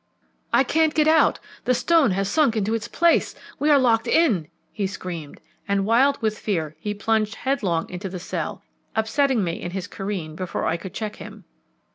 "I can't get out! The stone has sunk into its place! We are locked in!" he screamed, and, wild with fear, he plunged headlong into the cell, upsetting me in his career before I could check him.